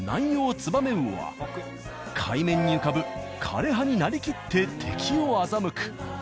ツバメウオは海面に浮かぶ枯れ葉になりきって敵を欺く。